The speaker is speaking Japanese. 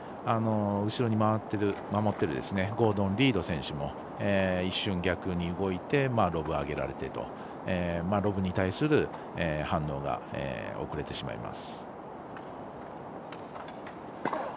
後ろに回って守っているゴードン・リード選手も一瞬逆に動いてロブ、上げられてロブに対する反応が遅れてしまいます。